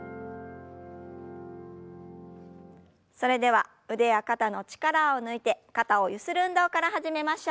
それでは腕や肩の力を抜いて肩をゆする運動から始めましょう。